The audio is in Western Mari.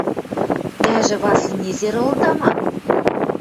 – Тӓжӹ, Васли, незер ылыда ма?